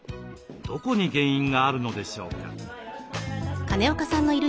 どこに原因があるのでしょうか？